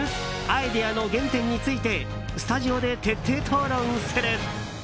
アイデアの原点についてスタジオで徹底討論する。